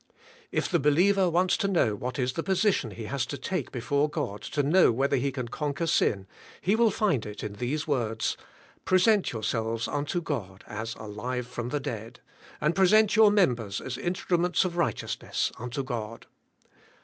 '''* If the believer wants to know what is the position he has to take before God to know whether he can conquer sin, he will find it in these words, '' Present yourselves unto God as alive from the dead, and present your members as instruments of righteousness unto God."